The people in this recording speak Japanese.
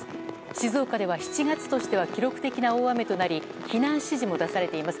静岡では、７月としては記録的な大雨となり避難指示も出されています。